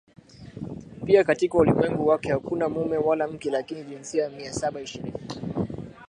Pia katika ulimwengu wake hakuna mume wala mke lakini jinsia Mia Saba ishirini